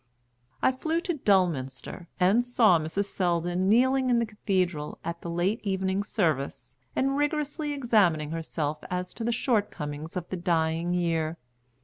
I flew to Dulminster, and saw Mrs. Selldon kneeling in the cathedral at the late evening service and rigorously examining herself as to the shortcomings of the dying year.